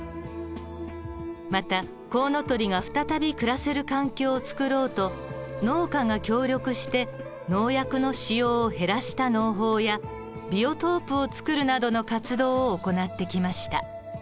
またコウノトリが再び暮らせる環境を作ろうと農家が協力して農薬の使用を減らした農法やビオトープを作るなどの活動を行ってきました。